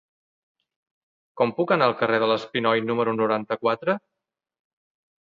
Com puc anar al carrer de l'Espinoi número noranta-quatre?